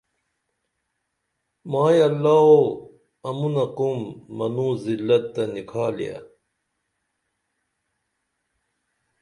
مائی اللہ او امونہ قوم منوں زلت تہ نِکھالیہ